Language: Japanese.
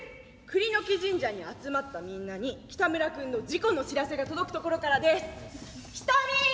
栗の木神社に集まったみんなにキタムラ君の事故の知らせが届くところからです。